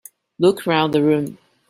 Look round the room.